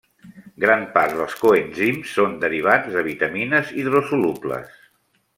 Gran part dels coenzims són derivats de vitamines hidrosolubles.